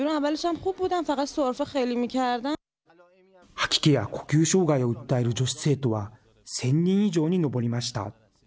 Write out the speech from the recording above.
吐き気や呼吸障害を訴える女子生徒は１０００人以上に上りました。